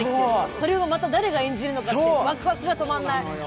それをまた誰が演じるのかってワクワクが止まらない。